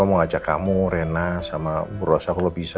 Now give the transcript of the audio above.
mau ngajak kamu rena sama bu rosa kalau bisa